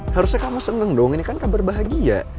harusnya kamu seneng dong ini kan kabar bahagia